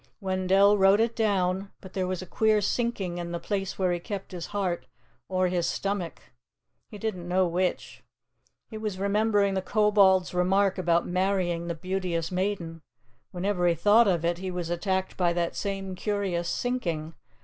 Wendell wrote it down, but there was a queer sinking in the place where he kept his heart or his stomach: he didn't know which. He was remembering the Kobold's remark about marrying the Beauteous Maiden. Whenever he thought of it, he was attacked by that same curious sinking.